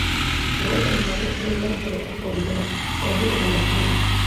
Logran reanimarlo y lo llevan a su refugio provisional, conocido como Las Chimeneas.